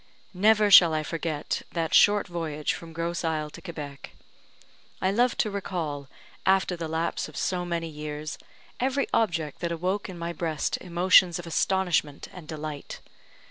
Never shall I forget that short voyage from Grosse Isle to Quebec. I love to recall, after the lapse of so many years, every object that awoke in my breast emotions of astonishment and delight.